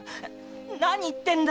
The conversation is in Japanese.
何を言ってるんだ